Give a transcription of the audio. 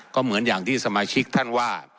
ก็เหมือนอย่างที่สมาชิกท่านว่า